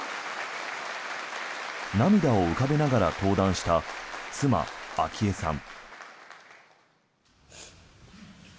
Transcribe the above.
涙を浮かべながら登壇した妻・昭恵さん。